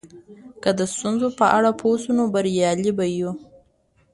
که د ستونزو په اړه پوه سو نو بریالي به یو.